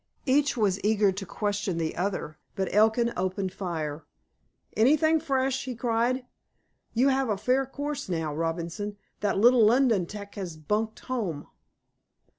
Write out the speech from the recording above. Each was eager to question the other, but Elkin opened fire. "Anything fresh?" he cried. "You have a fair course now, Robinson. That little London 'tec has bunked home."